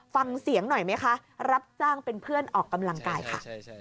ฟังเสียงหน่อยไหมคะรับจ้างเป็นเพื่อนออกกำลังกายค่ะ